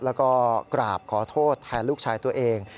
แล้วก็กราบขอโทษแทนลูกชายตัวเอง